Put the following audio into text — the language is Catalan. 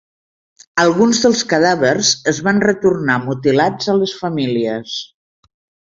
Alguns dels cadàvers es van retornar mutilats a les famílies.